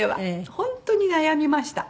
本当に悩みました。